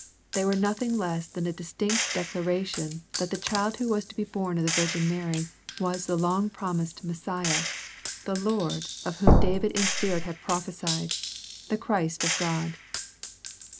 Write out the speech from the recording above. They were nothing less than a distinct de claration that the child who was to be born of the Virgin Mary was the long promised Messiah, the ^^ Lord '* of whom David in spirit had prophesied, the Christ of God.